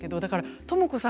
ともこさん